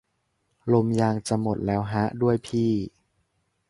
ลมยางจะหมดแล้วฮะด้วยพี่